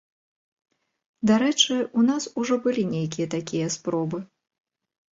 Дарэчы, у нас ужо былі нейкія такія спробы.